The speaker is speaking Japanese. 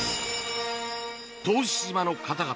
答志島の方々